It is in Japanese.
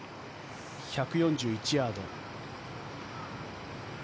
１４１ヤード。